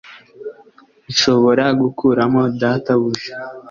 Nshobora gukuramo data buja